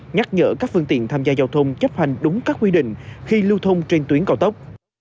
nhắc nhở các phương tiện tham gia giao thông chấp hành đúng các quy định khi lưu thông trên tuyến cao tốc